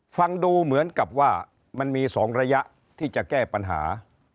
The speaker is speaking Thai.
ฟังดูเหมือนกับว่ามันมี๒ระยะที่จะแก้ปัญหา